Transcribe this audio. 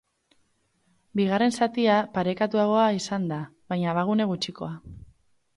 Bigarren zatia parekatuagoa izan da, baina abagune gutxikoa.